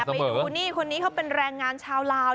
ไปดูนี่คนนี้เขาเป็นแรงงานชาวลาว